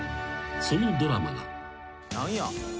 ［そのドラマが］